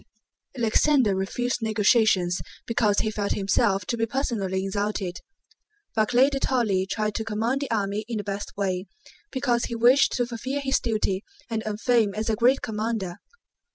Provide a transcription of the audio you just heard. Alexander refused negotiations because he felt himself to be personally insulted. Barclay de Tolly tried to command the army in the best way, because he wished to fulfill his duty and earn fame as a great commander.